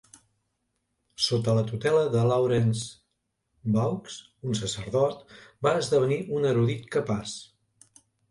Sota la tutela de Laurence Vaux, un sacerdot, va esdevenir un erudit capaç.